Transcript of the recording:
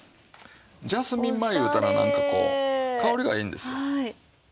ジャスミン米いうたらなんかこう香りがいいんですよ。